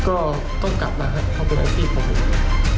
ก็ต้องกลับมาฮะเพราะเป็นอาชีพของผม